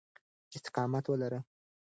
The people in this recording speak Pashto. استقامت ولرئ.